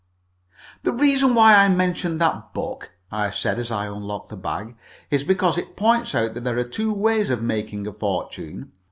"The reason why I mentioned that book," I said, as I unlocked the bag, "is because it points out that there are two ways of making a fortune.